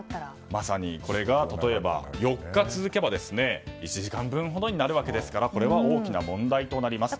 まさに、これが例えば４日続けば１時間分ほどになるわけですからこれは大きな問題となります。